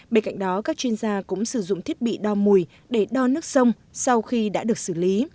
bên cạnh đó các chuyên gia cũng sử dụng thiết bị đo mùi để đo nước sông sau khi đã được xử lý